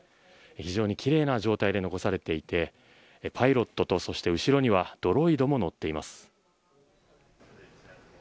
非常に奇麗な状態で残されていてパイロットとそして後ろにはドロイドも載っています。